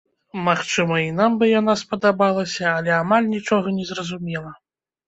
Магчыма, і нам бы яна спадабалася, але амаль нічога не зразумела.